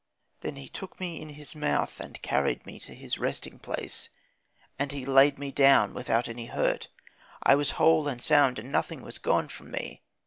"Then he took me in his mouth and carried me to his resting place, and layed me down without any hurt. I was whole and sound, and nothing was gone from me.